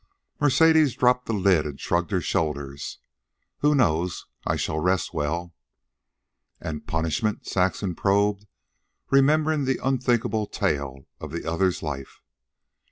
Mercedes dropped the lid and shrugged her shoulders. "Who knows? I shall rest well." "And punishment?" Saxon probed, remembering the unthinkable tale of the other's life.